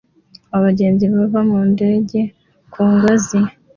Abagenzi bava mu ndege ku ngazi